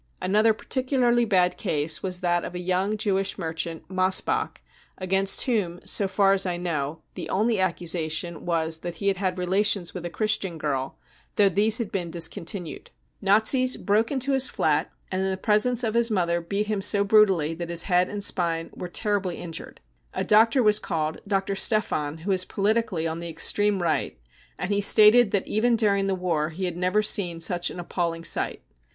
Another particularly bad case was that of a young: Jewish merchant, Mossbach, against whom, so far as I know, the only accusation was that he had had relations with a Christian girl, though these had been discontinued. Nazis broke into his flat and in the presence of his mother beat him so brutally that his head rind spine were tefribly injured. A doctor was called, Dr. Stephan, who is politi cally on the extreme Right, and he stated that even during the war he had never seen such an appalling sight.